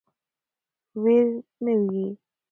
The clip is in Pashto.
ویر نه وي.